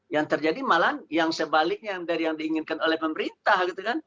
yang terjadi malah yang sebaliknya dari yang diinginkan oleh pemerintah gitu kan